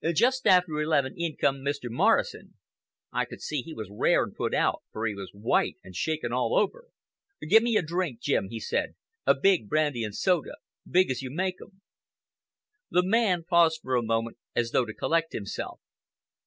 Just after eleven, in came Mr. Morrison. I could see he was rare and put out, for he was white, and shaking all over. 'Give me a drink, Jim,' he said,—'a big brandy and soda, big as you make 'em.'" The man paused for a moment as though to collect himself.